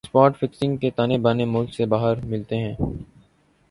spot fixing کے تانے بانے ملک سے باہر ملتےہیں